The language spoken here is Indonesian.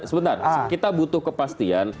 sebentar kita butuh kepastian